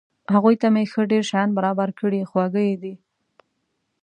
هغوی ته مې ښه ډېر شیان برابر کړي، خواږه یې دي.